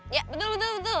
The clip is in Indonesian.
ya betul betul betul